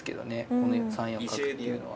この３四角っていうのは。